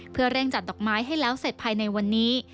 เพื่อเร่งจัดดอกไม้ให้แล้วเสร็จภายในวันนี้